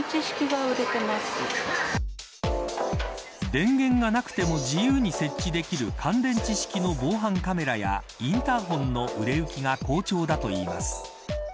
電源がなくても自由に設置できる乾電池式の防犯カメラやインターホンの売れ行きが好調だといいます。